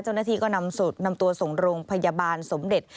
เจ้าหน้าที่ก็นำตัวส่งโรงพยาบาลสมเด็จ